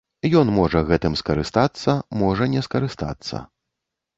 Ён можа гэтым скарыстацца, можа не скарыстацца.